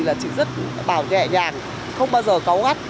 là chị rất bảo nhẹ nhàng không bao giờ cáu gắt